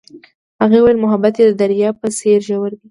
هغې وویل محبت یې د دریا په څېر ژور دی.